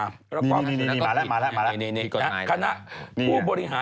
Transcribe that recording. นี่มาละนี่นี่คุณสักมือมีตบนะ